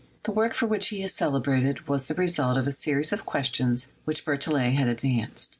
The work for which he is celebrated was the result of a series of questions which Berthollet had advanced.